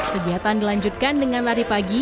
kegiatan dilanjutkan dengan lari pagi